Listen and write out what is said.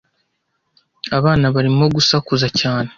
Abana barimo gusakuza cyane.